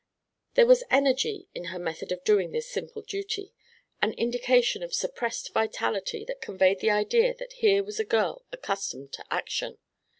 There was energy in her method of doing this simple duty, an indication of suppressed vitality that conveyed the idea that here was a girl accustomed to action.